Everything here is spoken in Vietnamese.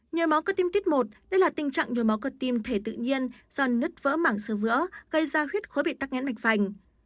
nhờ máu cơ tim tuyết một đây là tình trạng nhồi máu cơ tim thể tự nhiên do nứt vỡ mảng sơ vữa gây ra huyết khối bị tắc nghẽn mạch vành